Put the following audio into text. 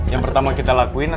yang pertama kita lakuin